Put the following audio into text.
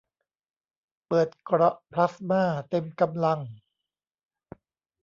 เปิดเกราะพลาสม่าเต็มกำลัง